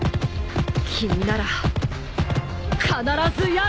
君なら必ずやれる！